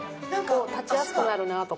立ちやすくなるなとか。